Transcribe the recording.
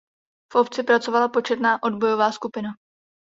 V obci pracovala početná odbojová skupina.